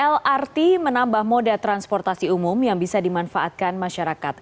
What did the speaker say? lrt menambah moda transportasi umum yang bisa dimanfaatkan masyarakat